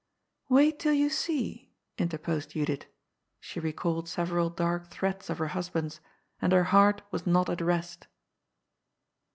^^Wait till you see," interposed Judith. She recalled several dark threats of her husband's, and her heart was not at rest.